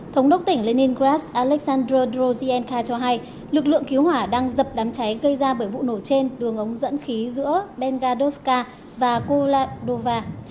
thống đốc tỉnh leningrad aleksandr drozhienko cho hay lực lượng cứu hỏa đang dập đám cháy gây ra bởi vụ nổ trên đường ống dẫn khí giữa bengadoska và kuladova